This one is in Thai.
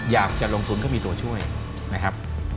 อยากจะลงทุนก็มีตัวช่วยนะครับ